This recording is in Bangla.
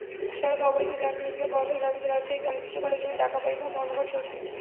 সড়কে অবৈধ যান চলাচল বন্ধের দাবিতে রাজশাহীতে অনির্দিষ্টকালের জন্য ডাকা পরিবহন ধর্মঘট চলছে।